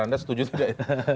anda setuju tidak